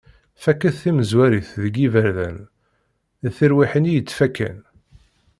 Faket timezwarit deg yiberdan, d tirwiḥin i yettfakan.